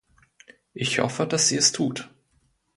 Ich hoffe, dass sie es tut!